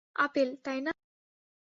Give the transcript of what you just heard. Apple, তাই না?